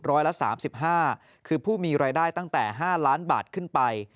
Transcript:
ร้อยละ๓๕คือผู้มีรายได้ตั้งแต่๕ล้านบาทขึ้นไป